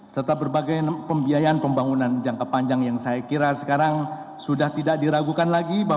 beberapa tatso keususan rwanda yang kami tuliskan karena adalah